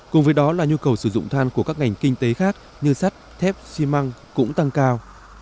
cùng với đó là nhu cầu sử dụng than của các ngành kinh tế khác như sắt thép xi măng cũng tăng cao